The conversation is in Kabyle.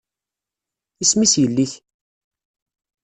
Isem-is yelli-k?